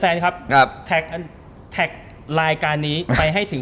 เดี๋ยวนี้ฟาหลังเขาเก่ง